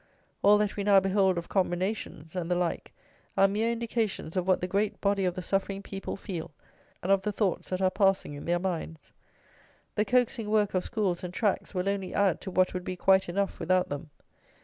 All that we now behold of combinations, and the like, are mere indications of what the great body of the suffering people feel, and of the thoughts that are passing in their minds. The coaxing work of schools and tracts will only add to what would be quite enough without them.